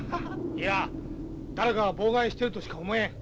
いや誰かが妨害してるとしか思えん。